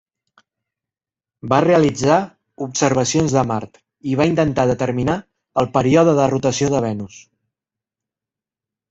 Va realitzar observacions de Mart i va intentar determinar el període de rotació de Venus.